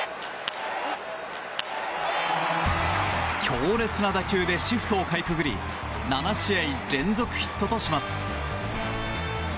強烈な打球でシフトをかいくぐり７試合連続ヒットとします。